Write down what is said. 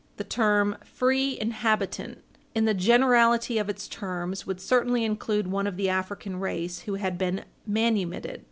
The term free inhabitant, in the generality of its terms, would certainly include one of the African race who had been manumitted.